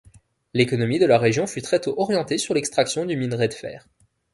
L'économie de la région fut très tôt orientée sur l'extraction du minerai de fer.